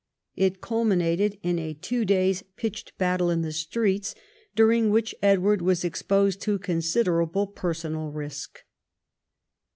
It culminated in a two days' pitched battle in the streets, during which 204 EDWARD I chap. Edward was exposed to considerable personal risk.